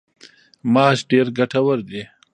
ماش ډیر ګټور دي.